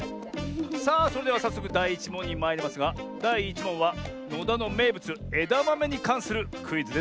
さあそれではさっそくだい１もんにまいりますがだい１もんはのだのめいぶつえだまめにかんするクイズです。